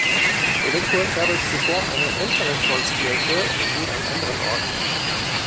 Eventuell gab es zuvor eine ältere Holzkirche wie an anderen Orten.